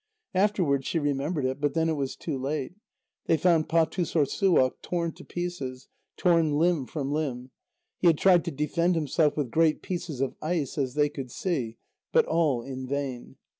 Afterwards she remembered it, but then it was too late. They found Pâtussorssuaq torn to pieces, torn limb from limb; he had tried to defend himself with great pieces of ice, as they could see, but all in vain.